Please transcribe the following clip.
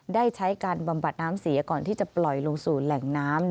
ได้ใช้การบำบัดน้ำเสียก่อนที่จะปล่อยลงสู่แหล่งน้ำ